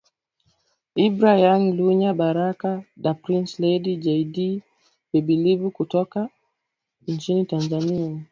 Ibrah Young Lunya Baraka Da Prince Lady Jay Dee Baba Levo kutoka nchini Tanzania